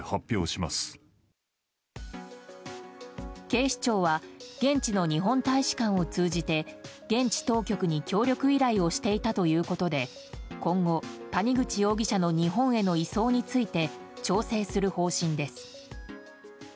警視庁は現地の日本大使館を通じて現地当局に協力依頼をしていたということで今後、谷口容疑者の日本への移送について調整する方針です。